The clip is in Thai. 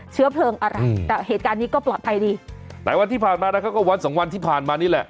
เชื้อเพลิงอะไรแต่เหตุการณ์นี้ก็ปลอดภัยดีหลายวันที่ผ่านมานะครับก็วันสองวันที่ผ่านมานี่แหละ